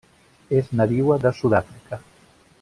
És nadiua de Sud-àfrica.